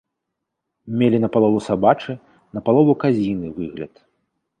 Мелі напалову сабачы, напалову казіны выгляд.